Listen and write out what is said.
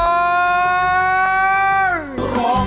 ร้องได้ให้ร้าง